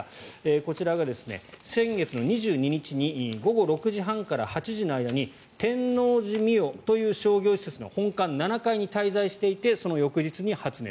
こちらが先月２２日に午後６時半から８時の間に天王寺ミオという商業施設の本館７階に滞在していてその翌日に発熱。